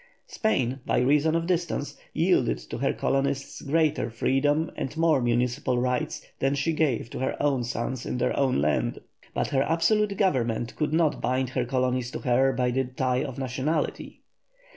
Spain, by reason of distance, yielded to her colonists greater freedom and more municipal rights than she gave to her own sons in their own land, but her absolute government could not bind her colonies to her by the tie of nationality.